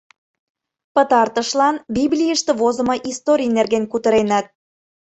Пытартышлан Библийыште возымо историй нерген кутыреныт.